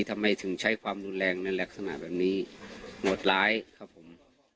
ทำไมถึงใช้ความรุนแรงในลักษณะแบบนี้โหดร้ายครับผม